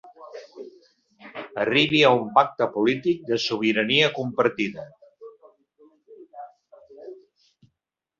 Arribi a un pacte polític de sobirania compartida.